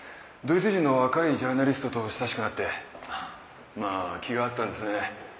ドイツ人の若いジャーナリストと親しくなってまぁ気が合ったんですね。